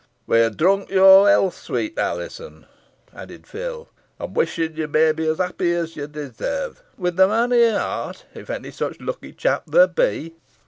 "We ha drunk your health, sweet Alizon," added Phil "an wishin' ye may be os happy os ye desarve, wi' the mon o' your heart, if onny sich lucky chap there be."